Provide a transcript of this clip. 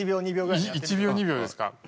１秒２秒ですか。